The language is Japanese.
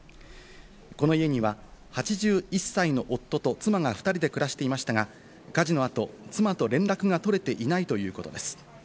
この家には８１歳の夫と妻が２人で暮らしていましたが、火事の後、妻と連絡が取れていないということです。